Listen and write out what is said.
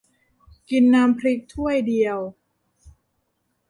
กินน้ำพริกถ้วยเดียว